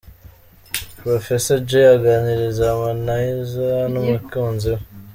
Professor Jay aganiriza Harmoniza n'umukunzi we.